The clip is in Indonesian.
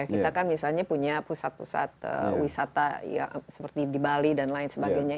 kita kan misalnya punya pusat pusat wisata seperti di bali dan lain sebagainya